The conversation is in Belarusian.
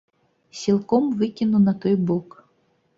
Сілком выкіну на той бок.